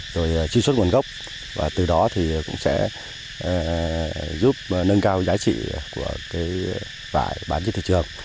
chuyên suất nguồn gốc và từ đó thì cũng sẽ giúp nâng cao giá trị của cái vải bán trên thị trường